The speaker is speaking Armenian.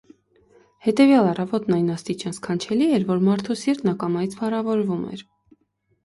Հետևյալ առավոտն այն աստիճան սքանչելի էր, որ մարդու սիրտն ակամայից փառավորվում էր: